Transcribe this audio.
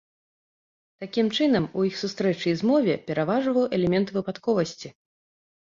Такім чынам, у іх сустрэчы і змове пераважваў элемент выпадковасці.